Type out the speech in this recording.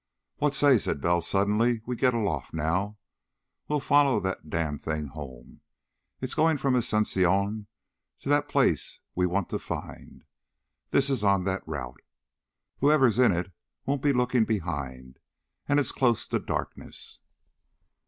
"What say," said Bell suddenly, "we get aloft now? We'll follow that damned thing home. It's going from Asunción to that place we want to find. This is on that route. Whoever's in it won't be looking behind, and it's close to darkness."